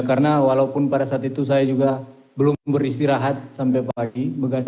karena walaupun pada saat itu saya juga belum beristirahat sampai pagi